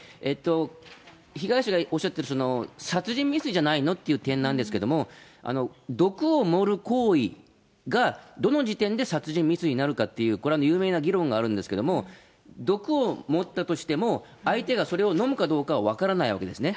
被害者がおっしゃってる殺人未遂じゃないの？っていう点なんですけども、毒を盛る行為がどの時点で殺人未遂になるかっていう、これは有名な議論があるんですけれども、毒を盛ったとしても、相手がそれを飲むかどうかは分からないわけですね。